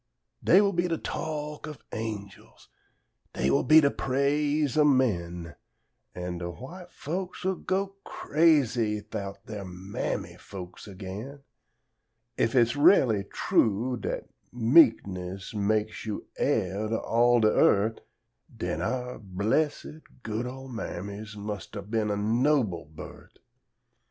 Dey will be de talk of angels, dey will be de praise o' men, An' de whi' folks would go crazy 'thout their Mammy folks again: If it's r'ally true dat meekness makes you heir to all de eart', Den our blessed, good ol' Mammies must 'a' been of noble birt'.